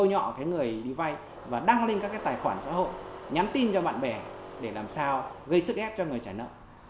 họ đi vay và đăng lên các tài khoản xã hội nhắn tin cho bạn bè để làm sao gây sức ép cho người trả nợ